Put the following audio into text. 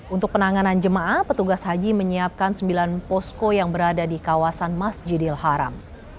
untuk penanganan jemaah petugas haji menyiapkan sembilan posko yang berada di kawasan masjidil haram